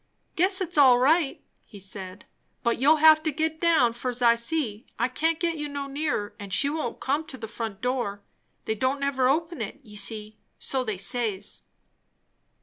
"Guess it's all right," he said. "But you'll have to git down, fur's I see; I can't git you no nearer, and she won't come to the front door. They don't never open it, ye see. So they says."